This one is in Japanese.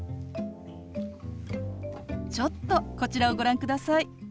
ちょっとこちらをご覧ください。